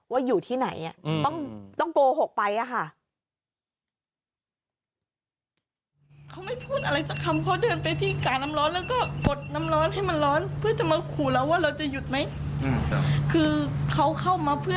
ว่าอยู่ที่ไหนต้องโกหกไปอะค่ะ